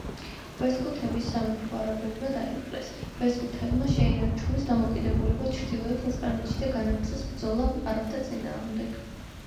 ვესტგუთების სამეფო არაბებმა დაიპყრეს, ვესტგუთებმა შეინარჩუნეს დამოუკიდებლობა ჩრდილოეთ ესპანეთში და განაგრძეს ბრძოლა არაბთა წინააღმდეგ.